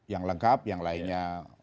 yang lengkap yang lainnya